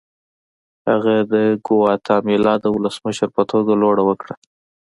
هغه د ګواتیمالا د ولسمشر په توګه لوړه وکړه.